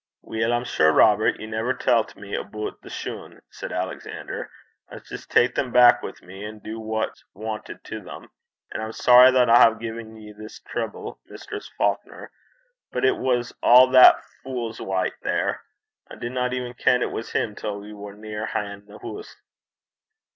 'Weel, I'm sure, Robert, ye never tellt me aboot the shune,' said Alexander. 'I s' jist tak them back wi' me, and du what's wantit to them. And I'm sorry that I hae gien ye this tribble, Mistress Faukner; but it was a' that fule's wite there. I didna even ken it was him, till we war near han' the hoose.'